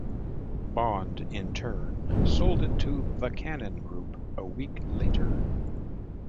Bond, in turn, sold it to The Cannon Group a week later.